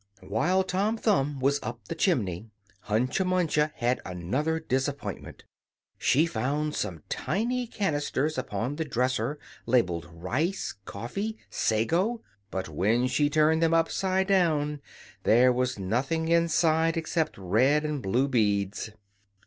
While Tom Thumb was up the chimney, Hunca Munca had another disappointment. She found some tiny canisters upon the dresser, labelled Rice Coffee Sago but when she turned them upside down, there was nothing inside except red and blue beads.